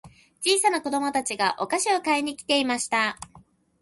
小さな子供たちがお菓子を買いに来ていました。